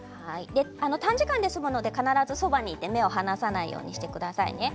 短時間で済むので必ずそばにいて目を離さないようにしてください。